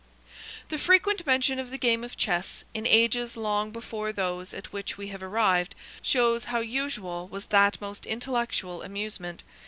The frequent mention of the game of chess, in ages long before those at which we have arrived, shows how usual was that most intellectual amusement.